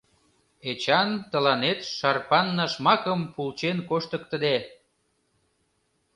Эчан тыланет шарпан-нашмакым пулчен коштыктыде...